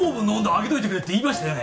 上げといてくれって言いましたよね？